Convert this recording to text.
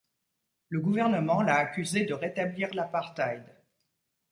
Le gouvernement l'a accusé de rétablir l'apartheid.